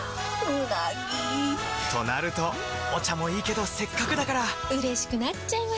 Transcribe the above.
うなぎ！となるとお茶もいいけどせっかくだからうれしくなっちゃいますか！